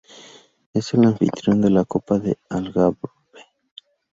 Es el anfitrión de la Copa de Algarve.